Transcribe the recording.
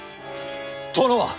殿は！